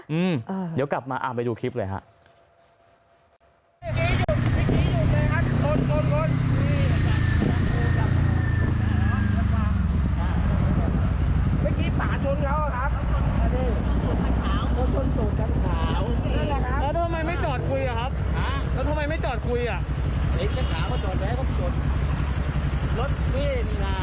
อืมเดี๋ยวกลับมาอ่านไปดูคลิปเลยฮะ